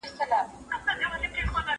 تاوان رسول یو جرم دی.